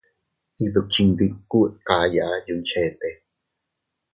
Iydukchindiku dkayaa yuncheete.